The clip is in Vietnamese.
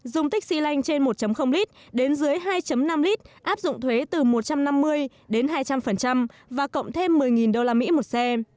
dùng tích xe lanh trên một lit đến dưới hai năm lit áp dụng thuế từ một trăm năm mươi đến hai trăm linh và cộng thêm một mươi đô la mỹ một xe